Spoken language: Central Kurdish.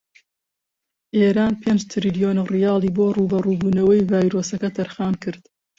ئێران پێنج تریلۆن ڕیالی بۆ ڕووبەڕوو بوونەوەی ڤایرۆسەکە تەرخانکرد.